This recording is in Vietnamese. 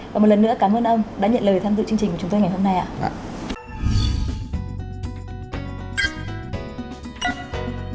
và một lần nữa cảm ơn ông đã nhận lời tham dự chương trình của chúng tôi ngày hôm nay ạ